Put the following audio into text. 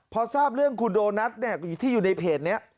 พอทราบเรื่องคุณโดนัทที่อยู่ในเพจนี้